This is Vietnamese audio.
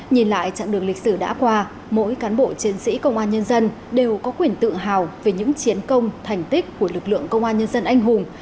nhìn lại chặng đường lịch sử đã qua mỗi cán bộ chiến sĩ công an nhân dân đều có quyền tự hào về những chiến công thành tích của lực lượng công an nhân dân anh hùng